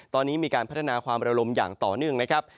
ตอนนี้มีการพัฒนาความระลมอย่างต่อเนื่องนะครับ